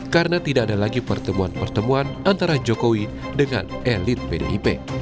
karena tidak ada lagi pertemuan pertemuan antara jokowi dengan elit pdip